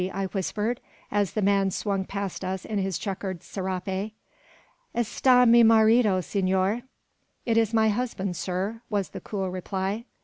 I whispered, as the man swung past us in his chequered serape. "Esta mi marido, senor," (It is my husband, sir), was the cool reply.